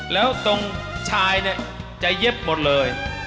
แล้วตรงชายเนี่ยจะเย็บหมดเลย